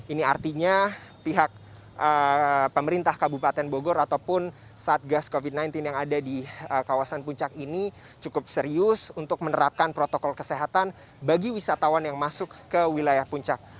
ini artinya pihak pemerintah kabupaten bogor ataupun satgas covid sembilan belas yang ada di kawasan puncak ini cukup serius untuk menerapkan protokol kesehatan bagi wisatawan yang masuk ke wilayah puncak